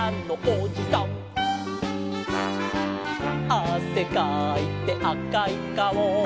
「あせかいてあかいかお」